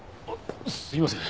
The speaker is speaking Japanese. すいません